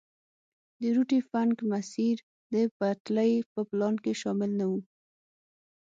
د روټي فنک مسیر د پټلۍ په پلان کې شامل نه وو.